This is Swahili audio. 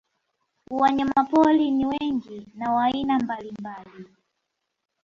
Wanyamapori ni wengi na wa aina mbalimbali